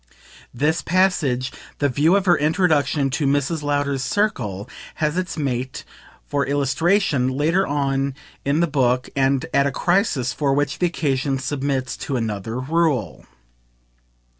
This passage, the view of her introduction to Mrs. Lowder's circle, has its mate, for illustration, later on in the book and at a crisis for which the occasion submits to another rule.